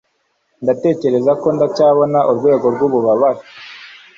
ndatekereza ko ndacyabona urwego rwububabare